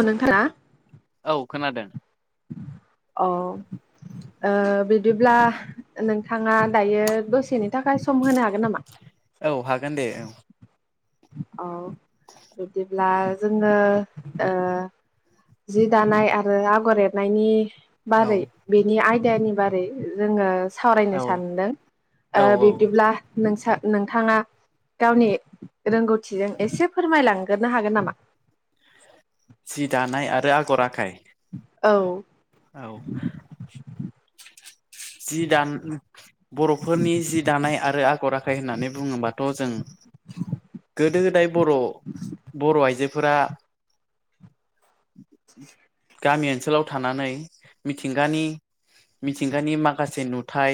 अ नोंथां आ औ खोनादों अ बिदिब्ला नोंथाङा दायो दसेनि थाखाय सम होनो हागोन नामा? औ हागोन दे औ औ बिदिब्ला जोंङो ओ जि दानाय आरो आगर एरनायनि औ बारै बेनि आयदानि बारै जोंङो सावरायनो औ सानदों औ बिब्दिब्ला नोंसा नोंथाङा गावनि रोंगौथिजों एसे फोरमायलांगोरोनो हागोन नामा? सि दानाय आरो आगर आखाइ औ औ जि दान बरफोरनि जि दानाय आरो आगर आ खाइ होननानै बुङोबाथजों गोदो गोदाय बर बर आइजो फोरा गामि ओनसोलाव थानानै मिथिंगानि मिथिंगानि माखासे नुथाय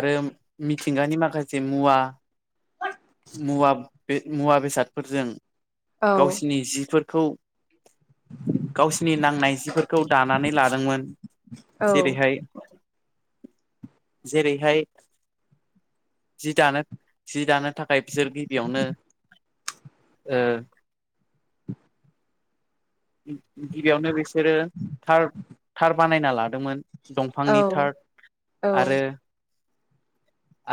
आरो मिथिंगानि माखासे मुवा मुवा बे मुवा बेसादफोरजों औ गावसिनि जिफोरखौ [unintelligible] गावसिनि नांनाय जिफोरखौ दानानै लादोंमोन औ जेरैहाय जेरैहाय जि दानो जि दानो थाखाय खाय बिसोर गिबियावनो ओ गिबियावनो बिसोरो थार थार बानायना ला दोंमोन औ दंफांनि थार औ आरो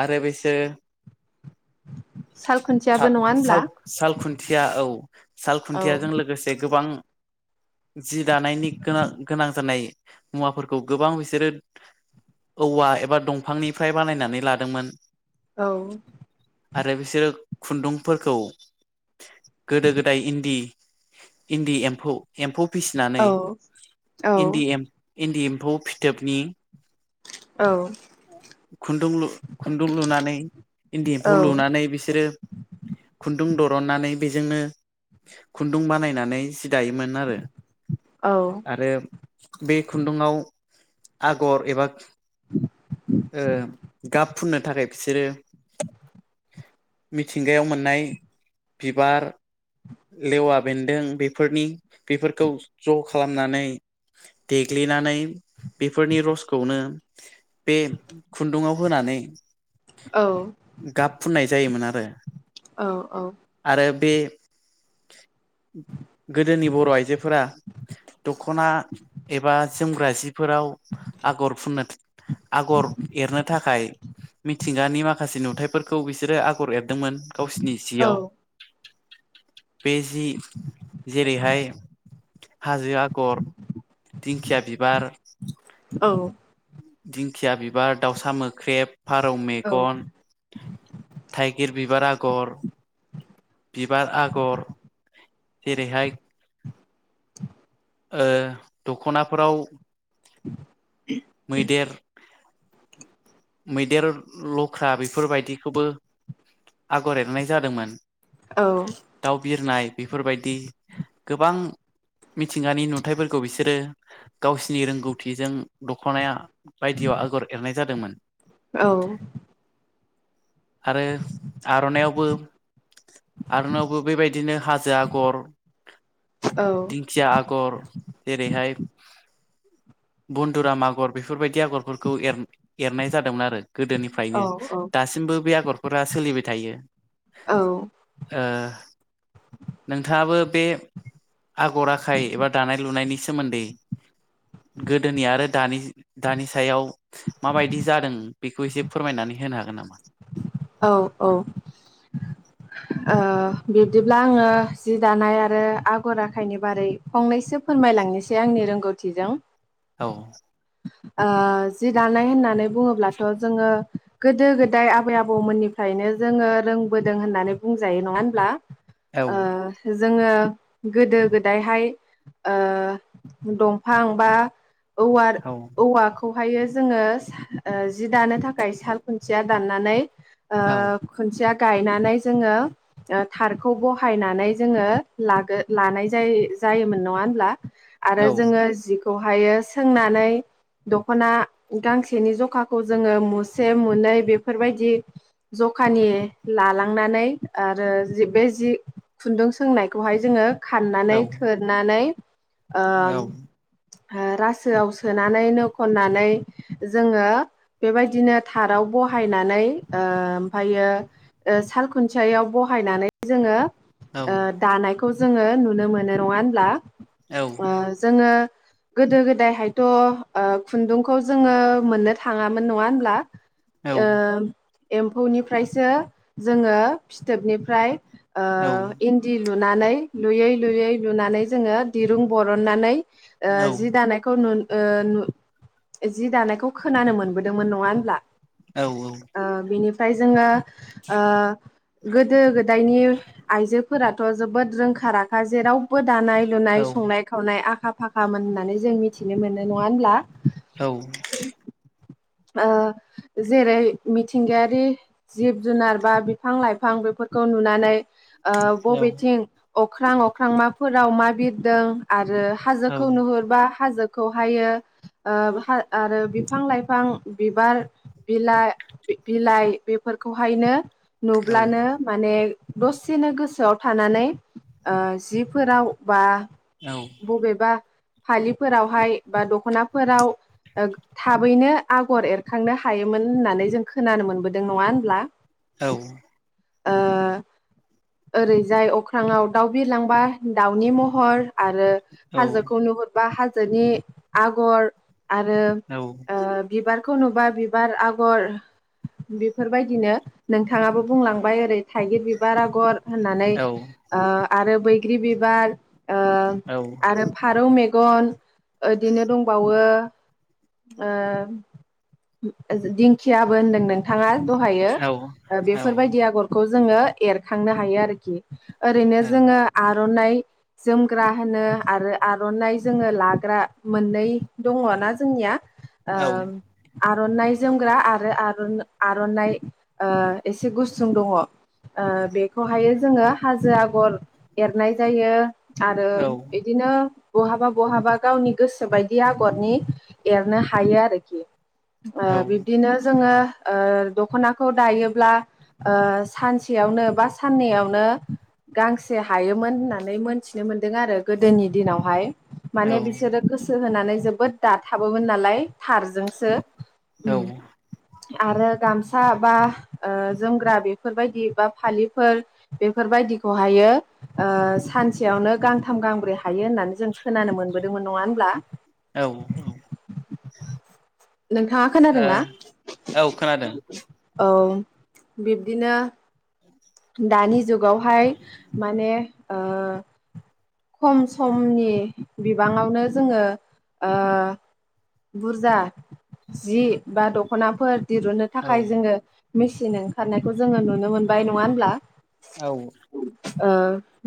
आरो बैसोरो साल खुन्थियाबो तार नङा होनब्ला? साल सालखुन्थिया औ साल औ खुन्थियाजों लोगोसे गोबां [unintelligible] जि दानायनि गोनां गोनां जानाय मुवाफोरखौ गोबां बिसोरो औवा एबा दंफांनिफ्राय बानायनानै लादोंमोन औ आरो बिसोरो खुन्दुंफोरखौ गोदो गोदाय इन्दि इन्दि एम्फौ एम्फौ फिसिनानै औ औ इन्दि एम इन्दि एम्फौ फिथोबनि औ खुन्दुं लु खुन्दुं लुनानै इन्दि बिब्दिब्ला लुनानै बिसोरो खुन्दुं दद नानै बेजोंनो खुन्दुं बानायनानै दायोमोन आरो आरो बे खुन्दुंआव आगर एबा ओ गाब फुननो थाखाय बिसोरो मिथिंगायाव मोननाय बिबार लेवा बेन्दों बेफोरनि बेफोरखौ ज' खालामनानै देग्लिनानै बेफोरनि रसखौनो बे खुन्दुङाव होनानै औ गाब फुननाय जायोमोन आरो औ औ आरो [unintelligible] गोदोनि बर' आइजोफोरा दख'ना एबा जोमग्रा जिफोराव आगर फुननो आगर एरनो थाखाय मिथिंगानि माखासे नु थाइफोरखौ बिसोरो आगर एरदोंमोन गावसिनि जियाव बे जि जेरैहाय हाजो आगर दिंखिया बिबार औ दिंखिया बिबार दाउसा मोख्रेब फारौ मेगन थाइगिर बिबार आगर बिबार आगर जेरैहाय [unintelligible] ओ दख'नाफोराव [unintelligible] मैदेर मैदेर लख्रा बेफोरबायदिखौबो आगर एरनाय जादोंमोन दाउ बिरनाय बेफोरबायदि गोबां मिथिंगानि नुथथायफोरखौ बिसोरो गावसिनि रोंगौथिजों दख'नाया बायदियाव आगर एरनाय जादोंमोन औ आरो आर'नाइावबो आरनायावबो बेबायदिनो हाजो आगर दिंखिया आगर जेरैहाय बन्दुराम आगर बेफोरबायदि आगरफोरखौ एर एरनाय जादोंमोन आरो गोदोनिफ्रायनो दासिमबो बे आगरफोरा सोलिबाय थायो औ ओ नोंथाङाबो बे आगर आखाइ एबा दानाय लुनायनि सोमोन्दै गोदोनि आरो दानि दानि सायाव माबायदि जादों बेखौ एसे फोरमायनानै होनो हागोन नामा [inaudible] औ औ ओ बिब्दिब्ला आङो जि दानाय आरो आगर आखाइनि बारै फंनैस एसे फोरमायलांनोसै आंनि रोंगौथिजों औ ओ जि दानाय होननानै बुङोब्लाथ' जोङो गोदो गोदाय आबै आबौ आबमोननिफ्रायनो जोङो रोंबोदों होननानै बुंजायो नङा होनब्ला ओ जोङो गोदो गोदायहाय ओ दंफां बा औव खोनादों औवाखौहायो जोङो ओ जि दानो थाखाय साल खुन्थिया दाननानै ओ खनसेया गायनानै जोङो ओ थारखौ बहायनानै जोङो लाग लानाय जायो जायोमोन नङा होनब्ला औ आरो जोङो जिखौहाय सोंनानै दख'ना गांसेनि जखाखौ जोङो मुसे मनै बेफोरबायदि जखानि लालांनानै आरो बे जि खुन्दुं सोंनायखौहाय जोङो औ खाननानै थोरनानै औ रासोआव सोनानैनो खननानै जोङो बेबायदिनो थाराव बहायनानै ओ ओमफ्रायो साल खुन्थियायाव बहायनानै जोङो ओ दानायखौ जोङो नुनो मोनो नङा होनब्ला ओ जोङो गोदो गोदायहायथ'ओ खुन्दुंखौ जोङो मोननो थाङामोन नङा होनोमब्ला औ ओ एम्फौनिफ्रायसो जोङो फिथोबनिफ्राय ओ इन्दि लुनानै लुयै लुयै लुनानै जोङो दिरुं बरननानै ओ जि दानायखौ नु ओ जि दानायखौ खोनानो मोनबोदोंमोन नङा होनोमब्ला औ औ ओ बिनिफ्राय जोङो ओ गोदो गोदायनि आइजोफोराथ' जोबोद रोंखा राखा जेरावबो दानाय लुनाय संनाय खावनाय आखा फाखामोन होननानै जों मिथिनो मोनो नङा होनब्ला औ ओ जेरै मिथिंगायारि जिब जुनार बा बिफां लाइफां बेफोर फोर खौ नुनानै ओ बबेथिं अख्रां अख्रां माफोराव मा बिरदों आरो हाजोखौ नुहुरबा हाजोखौहायो आरो बिफां लाइफां बिफां बिबार बिलाइ बिलाइ बेफोरखौहायनो नुब्लानो माने दसेनो गोसोआव थानानै ओ जिफोराव बा बबेबा फालिफोरावहाय बा दख'नाफोराव ओ थाबैनो आगर एरखांनो हायोमोन होन्नानै जों खोनानो मोनबोदों नङा होनब्ला औ ओ रैजाय अख्राङाव दाउ बिरलांबा दाउनि महर आरो हाजोखौ नुहुरबा हाजोनि आगर आरो ओ बिबारखौ नुबा बिबार आगर बेफोरबायदिनो नोंथाङाबो बुंलांबाय ओरै थाइगिर बिबार आगर होननानै ओ आरो बैग्रि बिबार ओ आरो फारौ मेगन ओदिनो दंबावो ओ दिंखियाबो होनदों नोंथाङा दहायो बेफोरबायदि आगरखौ जोङो एरखांनो हायो आरोखि ओरैनो जोङो आ र'नाइ जोमग्रा होनो आरो आर'नाइ जोङो लाग्रा मोननै दङ। ना जोंनिया ओ आर'नाइ जोमग्रा आरो आरन आर'नाइ ओ एसे गुसुं दङ ओ बेखौहायो जोङो हाजो आगर एरनाय जायो आरो बिदिनो बहाबा बहाबा गावनि गोसो बायदि आगरनि एरनो हायो आरोखि ओ बिब्दिनो जोङो ओ दख'नाखौ दायोब्ला ओ सानसेयावनो बा साननैयावनो गांसे हायोमोन होननानै मोनथिनो मोनदों आरो गोदोनि दिनावहाय माने बिसोरो गोसो होनानै जोबोद दाथाबोमोन नालाय थार ओ ओम आरो गाम सा बा ओ जोमग्रा बेफोरबायदि बा फालिफोर बेफोरबायदिखौहायो ओ सानसेयावनो गांथाम गांब्रै हायो होननानै जों खोनानो मोनबोदोंमोन नङा होनोमब्ला? नोंथाङा खोनादोंना? औ बिब्दिनो दानि जुगावहाय माने ओ खम समनि बिबाङावनो जोङो ओ बुरजा जि बा दख'नाफोर दिरुननो थाखाय जोङो मेसिन ओंखारनायखौ जोङो नुनो मोनबाय नङा होनब्ला? औ। ओ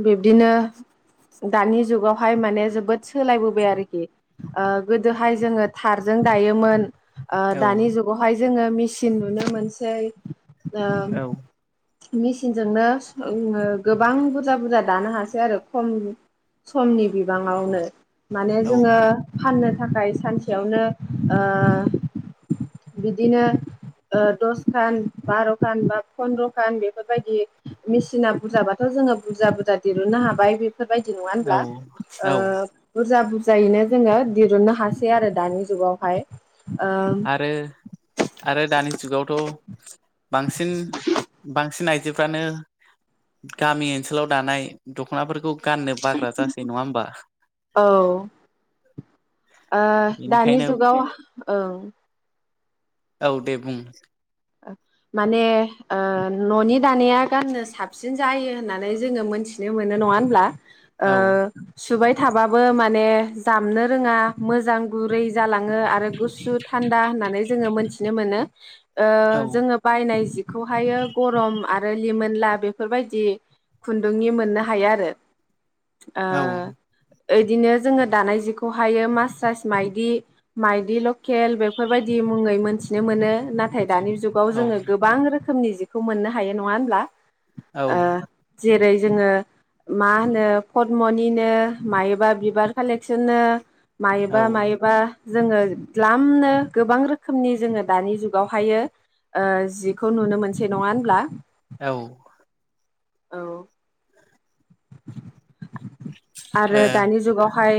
बिब्दिनो दानि जुगावहाय माने जोबोद सोलायबोबाय आरोखि ओ गोदोहाय जोङो थारजों दायोमोन ओ दानि जुगावहाय जोङो मेचिन नुनो मोनसै ओ मेसिनजोंनो गोबां बुरजा बुरजा दानो हासै आरो खम समनि बिबाङावनो माने जोङो फाननो थाखाय सानसे सेयावनो ओ बिदिनो ओ दसखान बार'खान बा फन्द्र'खान बेफोरबायदि मेसिना बुरजाबाथ' जोङो बुरजा बुरजा दिरहुननो हाबाय बे फोरबायदि नङा होनब्ला ओ औ बुरजा बुरजायैनो जोङो दिरुननो हासै आरो दानि जुगावहाय ओ आरो आरो दानि जुगावथ' बांसिन बांसिन आइजो फ्रानो गामि ओनसोलाव दानाय दख'नाफोरखौ गाननो बाग्रा जासै नङा होमबा? औ ओ दानि बेनिखायनो जुगाव ओं औ दे बुं ओ माने ओ न'नि दानाया गाननो साबसिन जायो होननानै जोङो मोनथिनो मोनो नं ङा होनब्ला ओ औ सुबाय थाबाबो माने जामनो रोङा मोजां गुरै जालाङो आरो गुसु थान्द दा होननानै जोङो मोनथिनो मोनो ओ औ जोङो बायनाय जि खौहायो गरम आरो लिमोनला बेफोरबायदि खुन्दुंनि मोननो हायो आरो ओ औ इदिनो जोङो दानाय जिखौहायो मास स्रास माइदि माइदि ल खेल बेफोरबायदि मुङै मोन्थिनो मोनो नाथाय दानि जुगाव औ जोङो गोबां रोखोमनि खौ मोननो हायो नङा ओमब्ला। औ। जेरै जोङो मा होनो पदमनिनो मायोबा बिबार कालेक्सननो औ मायोबा मायोबा जोङो द्लामनो गोबां रोखोमनि जोङो दानि जुग बावहायो ओ जिखौ नुनो मोनसै नङा होनब्ला? औ। औ। आरो औ दानि जुगावहाय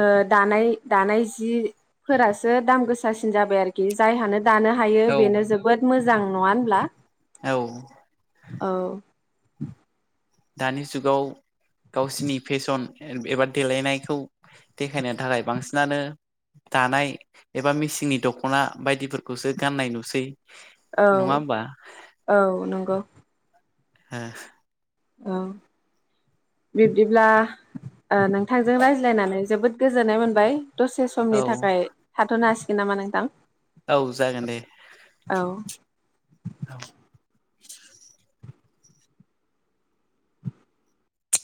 ओ दानाय दानाय जिफोरासो दाम गोसासिन जाबाय आरोखि जाय हानो दानो हायो बेनो जोबोद मोजां नङा होनब्ला? औ। औ। दानि जुगाव गावसिनि फेसन एबा देलायनायखौ देखायनो थाखाय बांसिनानो दानाय एबा मेसिंनि दख'ना बायदिफोरखौसो गाननाय नुसै। औ नङा होमबा औ नंगौ। हेह। ओ बिब्दिब्ला ओ नोंथांजों रायज्लायनानै जोबोद गोजोन गोजोननाय मोनबाय दसे ओ समनि थाखाय थाथ'नो हासिगोन नामा नोंथां? औ जागोन दे। औ औ।